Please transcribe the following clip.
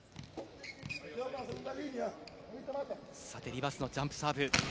さてリバスのジャンプサーブ。